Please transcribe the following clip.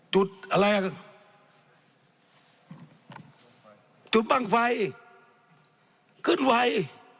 จุดอะไรจุดปังไฟขึ้นไหว